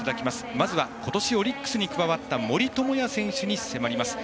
まずは今年オリックスに加わった森友哉選手に迫ります。